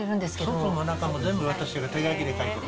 外も中も全部私が手書きで書いてる。